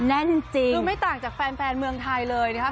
รู้ไม่ต่างจากแฟนเมืองไทยเลยล่ะคะ